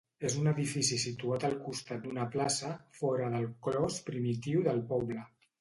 És un edifici situat al costat d'una plaça fora del clos primitiu del poble.